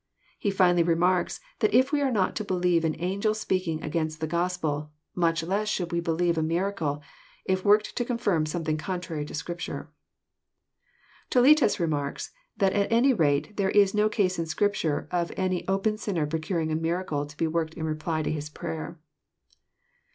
He finally remarks, that if we are not to believe an angel speaking against the Gospel, much less should we believe a miracle, if worked to confirm something contrary to Scrip ture. Toletus remarks, that at any rate there is no case in Scrip ture of any open sinner procuring a miracle to be worked in reply to his prayer.